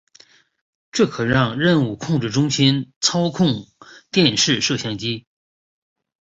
这可让任务控制中心操控电视摄像机。